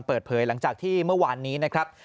เปิดเผยหลังจากที่เมื่อวานนี้นะครับ